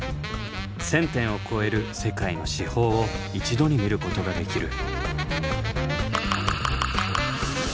１，０００点を超える世界の至宝を一度に見ることができる。